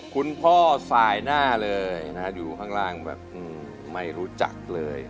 คุณพ่อสายหน้าเลยนะอยู่ข้างล่างแบบไม่รู้จักเลย